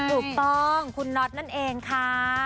ถูกต้องคุณน็อตนั่นเองค่ะ